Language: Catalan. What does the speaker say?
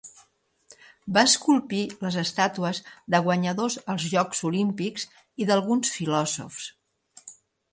Va esculpir les estàtues de guanyadors als jocs olímpics i d'alguns filòsofs.